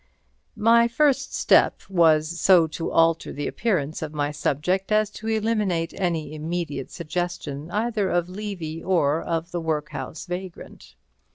My first step was so to alter the appearance of my subject as to eliminate any immediate suggestion either of Levy or of the workhouse vagrant.